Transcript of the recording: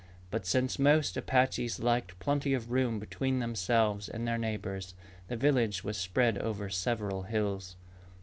But since most Apaches liked plenty of room between themselves and their neighbors, the village was spread over several hills.